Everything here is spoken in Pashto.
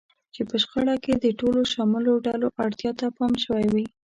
چې په شخړه کې د ټولو شاملو ډلو اړتیا ته پام شوی وي.